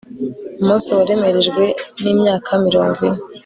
Mose waremerejwe nimyaka mirongo ine